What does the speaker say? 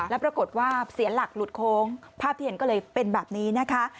แล้วปรากฏว่าเสียหลักหลุดโค้งภาพที่เห็นก็เลยเป็นแบบนี้นะคะ